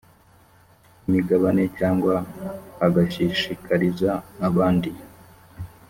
imigabane cyangwa agashishikariza abandi